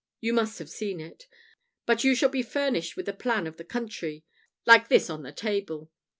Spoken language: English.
You must have seen it. But you shall be furnished with a plan of the country, like this on the table.